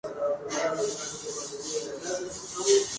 Pero seguían necesitando un bajista.